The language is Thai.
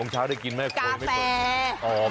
กาแฟมันต้องไปก่อน